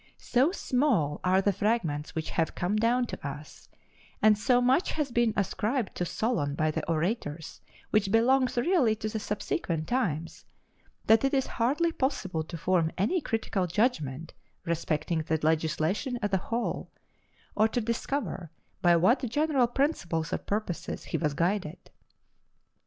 So small are the fragments which have come down to us, and so much has been ascribed to Solon by the orators which belongs really to the subsequent times, that it is hardly possible to form any critical judgment respecting the legislation as a whole, or to discover by what general principles or purposes he was guided.